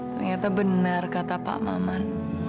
ternyata benar kata pak maman